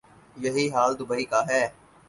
یہی حال دوبئی کا ہے۔